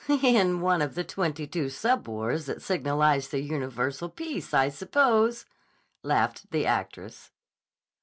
"In one of the twenty two sub wars that signalize the universal peace, I suppose," laughed the actress.